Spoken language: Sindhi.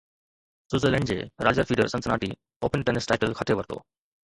سوئٽزرلينڊ جي Roger Federer Cincinnati Open tennis title کٽي ورتو